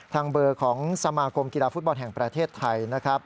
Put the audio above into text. ทางเบอร์ของสมาคมกีฬาฟุตบอลแห่งประเทศไทยนะครับ